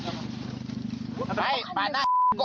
ก็ออกมาก่อนไงปาดหน้ากูไง